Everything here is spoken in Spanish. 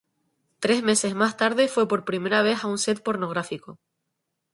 Tres meses más tarde, fue por primera vez a un set pornográfico.